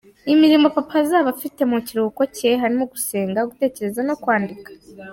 Imirimo Papa azaba afite mu kiruhuko cye harimo gusenga, gutekereza no kwandika.